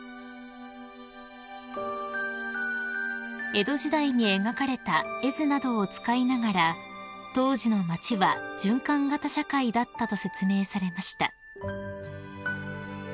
［江戸時代に描かれた絵図などを使いながら当時の町は循環型社会だったと説明されました］